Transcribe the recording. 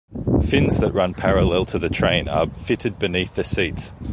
Fins that run parallel to the train are fitted beneath the seats.